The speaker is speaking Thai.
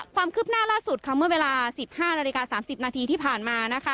ความคืบหน้าล่าสุดค่ะเมื่อเวลา๑๕นาฬิกา๓๐นาทีที่ผ่านมานะคะ